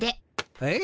えっ？